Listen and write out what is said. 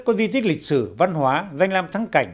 có di tích lịch sử văn hóa danh lam thắng cảnh